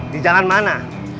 di jalan mana